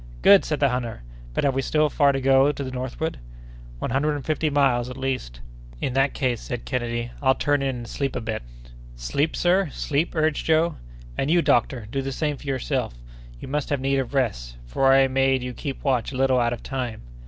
"Good!" said the hunter. "But have we still far to go to the northward?" "One hundred and fifty miles at least." "In that case," said Kennedy, "I'll turn in and sleep a bit." "Sleep, sir; sleep!" urged Joe. "And you, doctor, do the same yourself: you must have need of rest, for I made you keep watch a little out of time."